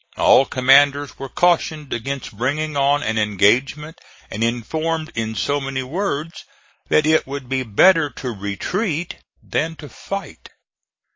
All commanders were cautioned against bringing on an engagement and informed in so many words that it would be better to retreat than to fight.